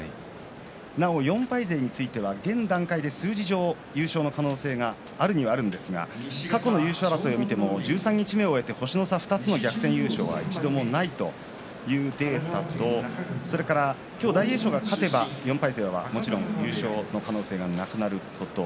なお４敗勢については現段階で数字上、優勝の可能性はあるにはあるんですが過去の優勝争い、十三日目を終えて星の差２つの逆転優勝は一度もないというデータとそれから今日大栄翔が勝てば４敗勢はもちろん優勝の可能性がなくなること。